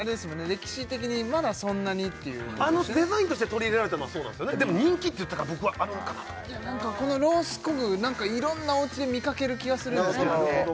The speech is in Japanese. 歴史的にまだそんなにっていうデザインとして取り入れられたのはそうなんですよねでも人気って言ってたから僕はあるんかなと何かこのロースコグいろんなおうちで見かける気がするんですけどね